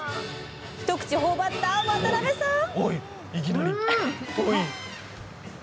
一口頬張った渡辺さん！